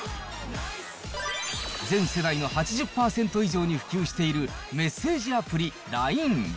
全世代の８０％以上に普及しているメッセージアプリ、ＬＩＮＥ。